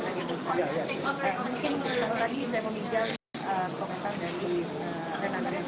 jadi saya ingin meminjam komentar dari